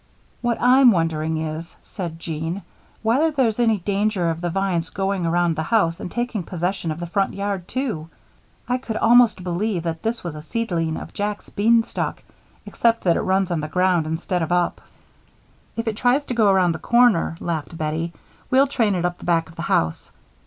"What I'm wondering is," said Jean, "whether there's any danger of the vine's going around the house and taking possession of the front yard, too. I could almost believe that this was a seedling of Jack's beanstalk except that it runs on the ground instead of up." "If it tries to go around the corner," laughed Bettie, "we'll train it up the back of the house.